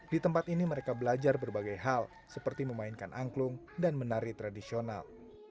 di tempat ini mereka belajar berbagai hal seperti memainkan angklung dan menari tradisional